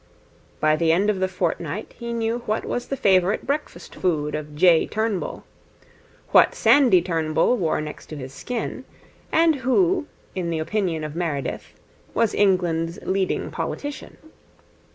By the end of the fortnight he knew what was the favourite breakfast food of J. Turnbull; what Sandy Turnbull wore next his skin; and who, in the opinion of Meredith, was England's leading politician.